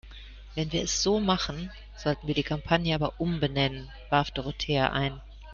Wenn wir es so machen, sollten wir die Kampagne aber umbenennen, warf Dorothea ein.